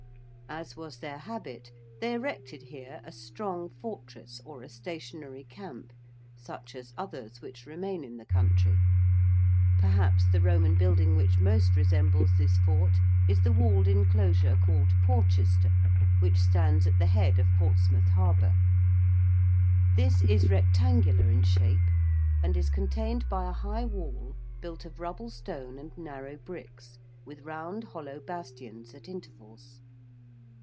As was their habit they erected here a strong fortress or a stationary camp, such as others which remain in the country. Perhaps the Roman building which most resembles this fort is the walled enclosure called Porchester, which stands at the head of Portsmouth Harbour. This is rectangular in shape and is contained by a high wall built of rubble stone and narrow bricks, with round, hollow bastions at intervals.